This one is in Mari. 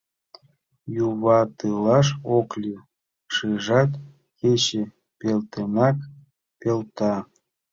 Юватылаш ок лий, шижат, кече пелтенак пелта.